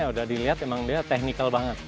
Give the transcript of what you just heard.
udah dilihat emang dia technical banget